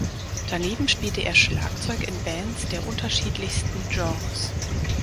Daneben spielte er Schlagzeug in Bands der unterschiedlichsten Genres.